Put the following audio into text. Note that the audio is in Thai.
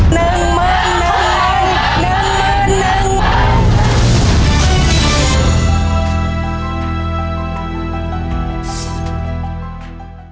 ๑หมื่น๑หมื่น๑หมื่น๑หมื่น